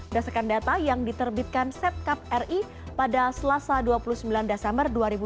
berdasarkan data yang diterbitkan setcap ri pada selasa dua puluh sembilan desember dua ribu dua puluh